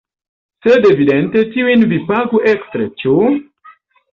Sed evidente tiujn vi pagu ekstre, ĉu?